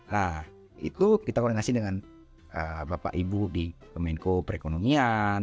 nah itu kita koordinasi dengan bapak ibu di kemenko perekonomian